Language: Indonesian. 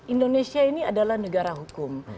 indonesia ini adalah negara hukum